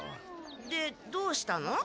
でどうしたの？